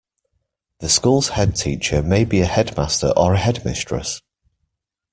The school's headteacher may be a headmaster or a headmistress